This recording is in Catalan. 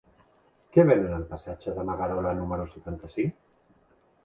Què venen al passatge de Magarola número setanta-cinc?